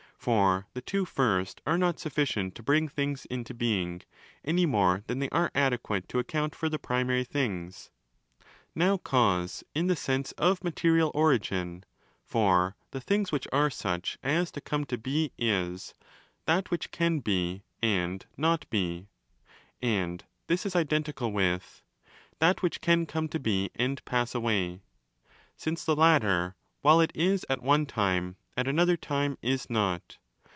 For the two first are not sufficient to bring things into being, any more than they are adequate to account for the primary things. Now cause, in the sense of material origin, for the things which are such as to come to be is ' that which can be and not be': and this is identical with 'that which can come to be and pass away', since the latter, while it zs at one time, at another time zs zoz.